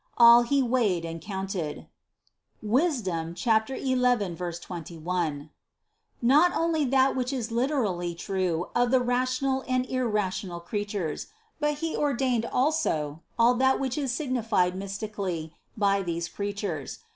All He weighed and counted (Sap. 11, 21), not only that which is literally true of the rational and irrational creatures, but He preordained also all that which is sig nified mystically by these creatures.